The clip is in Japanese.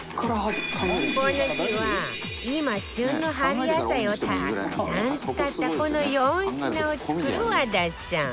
この日は今旬の春野菜をたくさん使ったこの４品を作る和田さん